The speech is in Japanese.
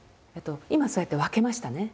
今そうやって分けましたね。